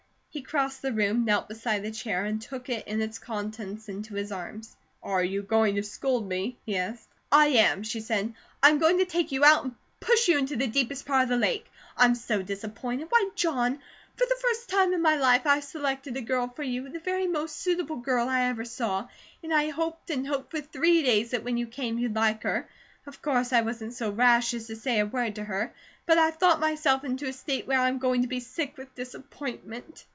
He crossed the room, knelt beside the chair, and took it and its contents in his arms. "Are you going to scold me?" he asked. "I am," she said. "I am going to take you out and push you into the deepest part of the lake. I'm so disappointed. Why, John, for the first time in my life I've selected a girl for you, the very most suitable girl I ever saw, and I hoped and hoped for three days that when you came you'd like her. Of course I wasn't so rash as to say a word to her! But I've thought myself into a state where I'm going to be sick with disappointment."